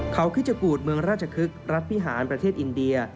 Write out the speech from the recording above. เขาคิชกูธเมืองราชคึกรัฐพิหารประเทศอินเดีย